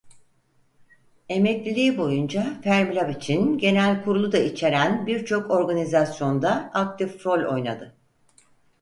Emekliliği boyunca Fermilab için genel kurulu da içeren birçok organizasyonda aktif rol oynadı.